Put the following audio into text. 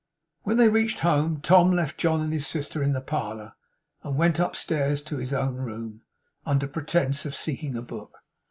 When they reached home, Tom left John and his sister in the parlour, and went upstairs into his own room, under pretence of seeking a book.